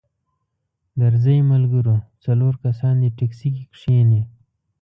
درځئ ملګرو څلور کسان دې ټیکسي کې کښینئ.